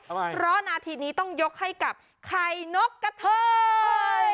เพราะนาทีนี้ต้องยกให้กับไข่นกกระเทย